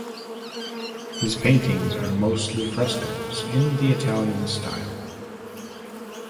His paintings are mostly frescoes in the Italian style.